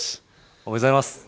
おめでとうございます。